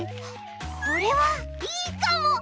これはいいかも！